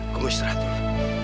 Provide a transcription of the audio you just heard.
aku mau istirahat dulu